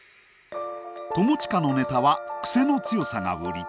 友近のネタは癖の強さが売り。